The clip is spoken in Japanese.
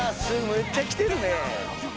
むっちゃ来てるね。